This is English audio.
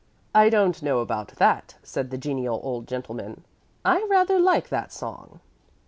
"I don't know about that," said the genial old gentleman. "I rather like that song."